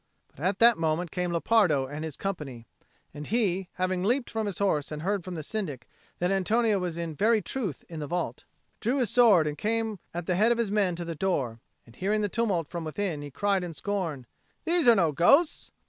But at that moment came Lepardo and his company; and he, having leapt from his horse and heard from the Syndic that Antonio was in very truth in the vault, drew his sword and came at the head of his men to the door; and hearing the tumult from within, he cried in scorn, "These are no ghosts!"